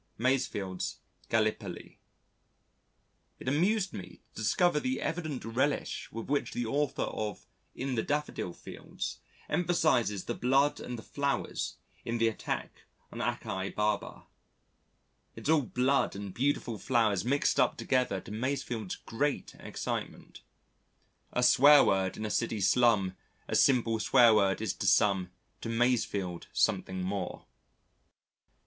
Masefield's "Gallipoli" It amused me to discover the evident relish with which the author of In the Daffodil Fields emphasises the blood and the flowers in the attack on Achi Baba. It's all blood and beautiful flowers mixed up together to Masefield's great excitement. "A swear word in a city slum A simple swear word is to some To Masefield something more."